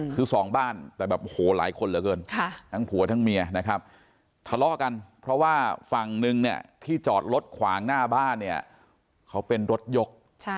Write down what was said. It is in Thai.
คือสองบ้านแต่แบบโอ้โหหลายคนเหลือเกินทั้งผัวทั้งเมียนะครับทะเลาะกันเพราะว่าฝั่งนึงเนี่ยที่จอดรถขวางหน้าบ้านเนี่ยเขาเป็นรถยก